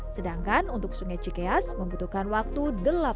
sedangkan untuk sungai cikeas membutuhkan waktu delapan jam